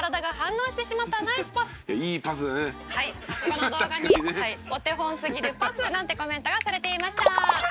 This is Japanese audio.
「この動画に“お手本すぎるパス”なんてコメントがされていました」